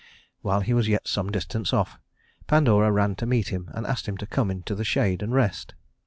While he was yet some distance off, Pandora ran to meet him and asked him to come into the shade and rest.